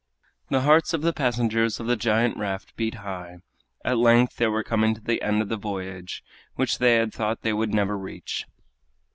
The hearts of the passengers of the giant raft beat high. At length they were coming to the end of the voyage which they had thought they would never reach.